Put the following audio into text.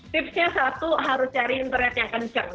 tipsnya satu harus cari internetnya kenceng